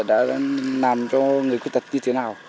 đã làm cho người khuyết tật như thế nào